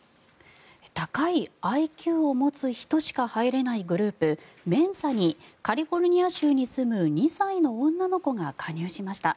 高いＩＱを持つ人しか入れないグループ、メンサにカリフォルニア州に住む２歳の女の子が加入しました。